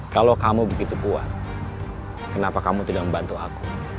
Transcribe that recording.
kalau kamu begitu kuat kenapa kamu tidak membantu aku